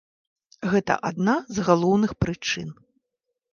Гэта адна з галоўных прычын.